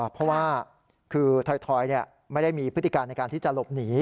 เพราะว่าคือถอยไม่ได้มีพฤติการในการที่จะหลบหนี